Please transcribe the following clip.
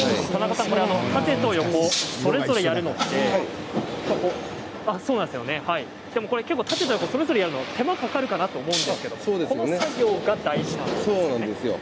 縦と横それぞれやるのって手間がかかるかなと思うんですけど、この作業が大事なんですね。